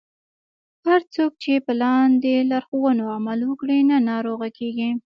هر څوک چې په لاندې لارښوونو عمل وکړي نه ناروغه کیږي.